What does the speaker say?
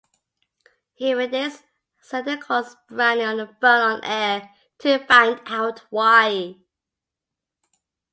Hearing this, Zander calls Brandy on the phone on air, to find out why.